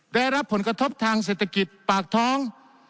ได้รับผลกระทบทางเศรษฐกิจปากท้อง